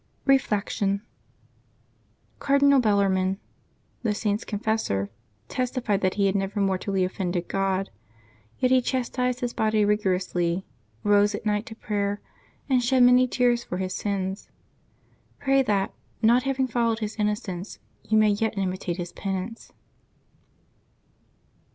Reflection. — Cardinal Bellarmine, the Saint's confessor, testified that he had never mortally offended God. Yet he chastised his body rigorousl}^ rose at night to pray, and shed many tears for his sins. Pray that, not having fol lowed his innocence, you may yet imitate his penance.